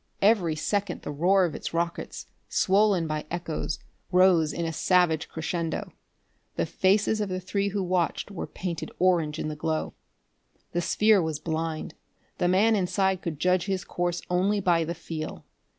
Every second the roar of its rockets, swollen by echoes, rose in a savage crescendo; the faces of the three who watched were painted orange in the glow. The sphere was blind. The man inside could judge his course only by the feel.